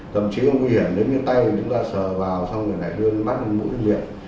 thậm chí không nguy hiểm nếu như tay chúng ta sờ vào xong rồi lại đưa mắt mũi miệng